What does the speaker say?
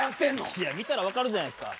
いや見たら分かるじゃないですか。